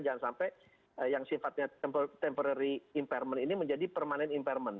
jangan sampai yang sifatnya temporary impairment ini menjadi permanent impairment